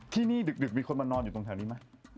ที่นี่ดึกมีคนมานอนอยู่ตรงแถวนี้ไหม